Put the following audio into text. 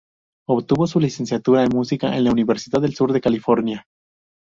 Obtuvo su licenciatura en Música en la Universidad del Sur de California.